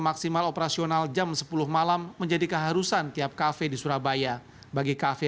maksimal operasional jam sepuluh malam menjadi keharusan tiap kafe di surabaya bagi kafe